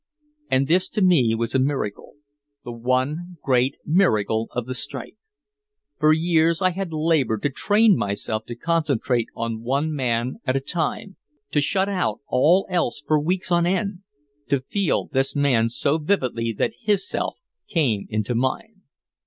And this to me was a miracle, the one great miracle of the strike. For years I had labored to train myself to concentrate on one man at a time, to shut out all else for weeks on end, to feel this man so vividly that his self came into mine.